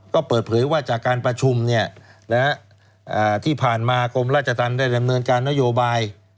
ก็เปิดเผยว่าจากการประชุมที่ผ่านมากรมราชธรรมได้ดำเนินการนโยบาย